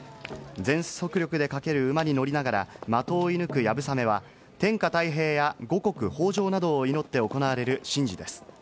全速力で駆ける馬に乗りながら的をいぬく流鏑馬は天下泰平や五穀豊穣などを祈って行われる神事です。